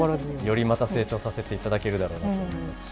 よりまた成長させていただけるだろうなと思いますし。